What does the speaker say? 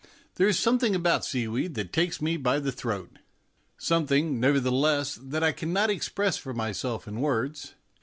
There is something about seaweed that takes me by the throat something, nevertheless, that I cannot express for myself in words.